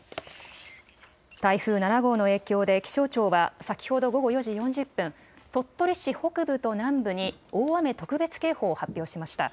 台風７号の影響で、気象庁は先ほど午後４時４０分、鳥取市北部と南部に、大雨特別警報を発表しました。